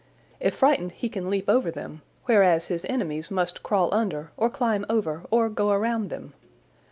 If frightened he can leap over them, whereas his enemies must crawl under or climb over or go around them.